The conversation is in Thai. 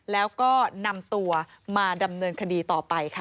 แล้วก็นำตัวมาดำเนินคดีต่อไปค่ะ